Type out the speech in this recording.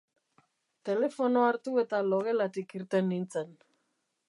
Telefonoa hartu eta logelatik irten nintzen.